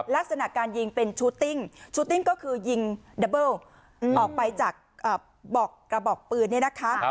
ลักษณะการยิงเป็นชูติ้งชูติ้งก็คือยิงดับเบิ้ลออกไปจากกระบอกปืนเนี่ยนะคะ